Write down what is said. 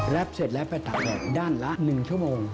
เสร็จแล้วไปตักแดดด้านละ๑ชั่วโมง